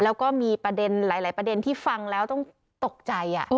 แล้วก็มีประเด็นหลายประเด็นที่ฟังแล้วต้องตกใจ